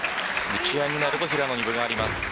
打ち合いになると平野に分があります。